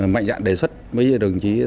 mạnh dạng đề xuất mấy đồng chí